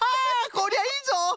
こりゃいいぞ！